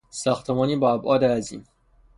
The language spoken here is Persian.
ساختمانی با ابعاد عظیم